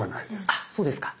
あそうですか。